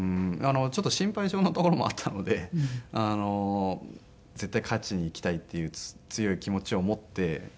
ちょっと心配性なところもあったので絶対勝ちにいきたいっていう強い気持ちを持って。